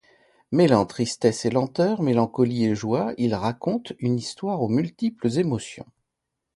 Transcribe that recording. Mêlant tristesse et lenteur, mélancolie et joie, il raconte une histoire aux multiples émotions.